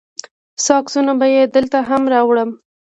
څو عکسونه به یې دلته هم راوړم.